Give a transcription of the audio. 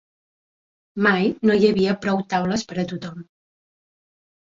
Mai no hi havia prou taules per a tothom